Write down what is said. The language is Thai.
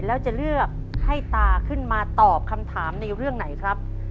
แล้วจะเลือกให้ตาขึ้นมาตอบคำถามในเรื่องไหนครับ